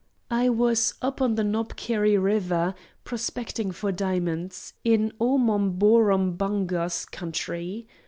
I was up on the Knobkerry River, prospecting for diamonds, in Omomborombunga's country.